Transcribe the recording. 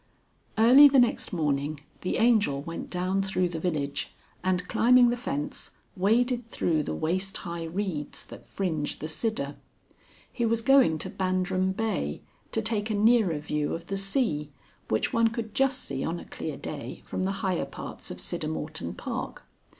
Early the next morning the Angel went down through the village, and climbing the fence, waded through the waist high reeds that fringe the Sidder. He was going to Bandram Bay to take a nearer view of the sea, which one could just see on a clear day from the higher parts of Siddermorton Park.